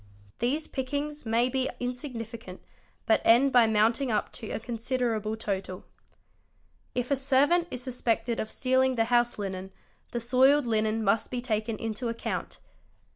These pick ings may be insignificant but end by mounting up to a considerable total. 'Ifa servant is suspected of stealing the house linen, the soiled linen must be taken into account.